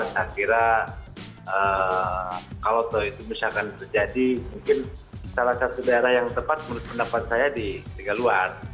saya kira kalau itu misalkan terjadi mungkin salah satu daerah yang tepat menurut pendapat saya di liga luar